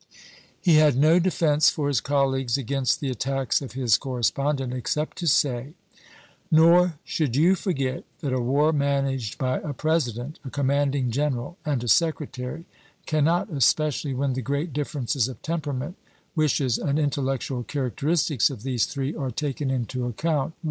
He had no defense for his colleagues against the attacks of his correspondent, except to say : Nor should you forget that a war managed by a Presi dent, a commanding general, and a Secretar}' cannot, especially when the great differences of temperament, wishes, and intellectual characteristics of these three are taken into account, reasonably be expected to be con ducted in the best possible manner.